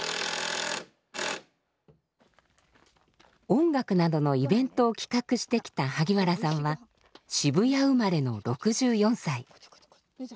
音楽などのイベントを企画してきた萩原さんは渋谷生まれの６４歳。